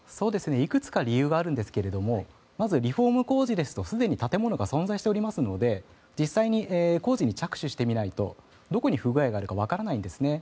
いくつか理由があるんですがまずリフォーム工事ですとすでに建物が存在しておりますので実際に工事に着手してみないとどこに不具合があるかわからないんですね。